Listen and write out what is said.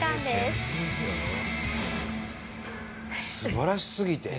素晴らしすぎて。